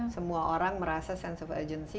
semua orang merasa sense of agency